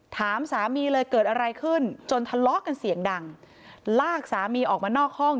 ถามสามีเลยเกิดอะไรขึ้นจนทะเลาะกันเสียงดังลากสามีออกมานอกห้อง